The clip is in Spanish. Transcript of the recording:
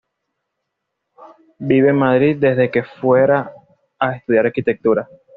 Vive en Madrid desde que fuera a estudiar Arquitectura.